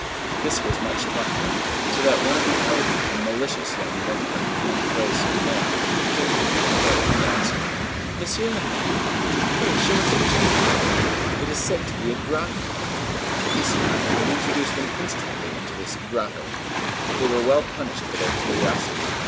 This was much talked of, so that one of the elegant and malicious young women of M. sur M. came to him one day, and asked: "Monsieur le Maire, pray show us your chamber. It is said to be a grotto." He smiled, and introduced them instantly into this "grotto." They were well punished for their curiosity.